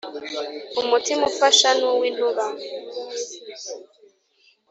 umutima ufasha ni w’intuba